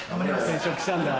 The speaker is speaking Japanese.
転職したんだ。